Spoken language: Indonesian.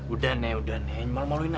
udah nenek udah nenek malu maluin aja